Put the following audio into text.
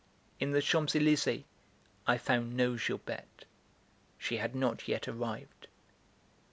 in the Champs Elysées I found no Gilberte; she had not yet arrived.